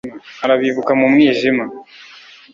Arabibuka mu mwijima